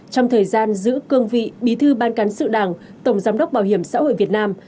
trong thời gian giữ cương vị bí thư ban cán sự đảng tổng giám đốc bảo hiểm xã hội việt nam